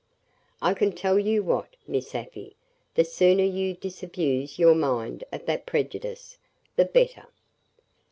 "I can tell you what, Miss Afy, the sooner you disabuse your mind of that prejudice, the better.